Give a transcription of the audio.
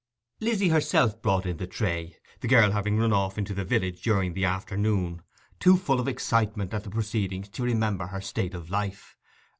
Lizzy herself brought in the tray, the girl having run off into the village during the afternoon, too full of excitement at the proceedings to remember her state of life.